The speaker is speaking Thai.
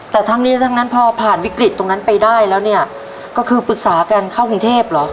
แต่ทั้งนี้ทั้งนั้นพอผ่านวิกฤตตรงนั้นไปได้แล้วเนี่ยก็คือปรึกษากันเข้ากรุงเทพเหรอ